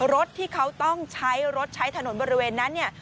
รถที่เขาต้องใช้รถใช้ถนนบริเวณนั้นเนี่ย